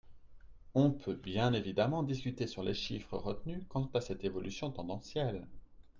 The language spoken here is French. On peut bien évidemment discuter sur les chiffres retenus quant à cette évolution tendancielle.